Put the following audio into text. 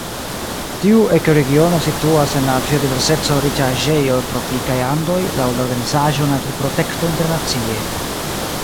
Tiu ekoregiono situas en la biodiverseco-riĉaĵejo Tropikaj Andoj laŭ la organizaĵo Naturprotekto Internacie.